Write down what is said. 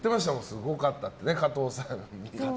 すごかったってね、加藤さんが。